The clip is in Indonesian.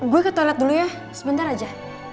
gue ke toilet dulu ya sebentar aja